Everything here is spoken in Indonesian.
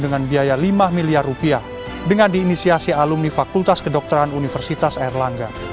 dengan biaya lima miliar rupiah dengan diinisiasi alumni fakultas kedokteran universitas airlangga